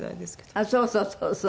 ああそうそうそうそう！